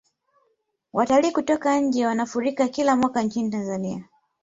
watalii kutoka nje wanafurika kila mwaka nchini tanzania